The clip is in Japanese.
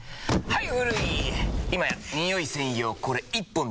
はい！